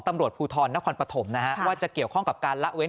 ตำรวจภูทรนครปฐมนะฮะว่าจะเกี่ยวข้องกับการละเว้น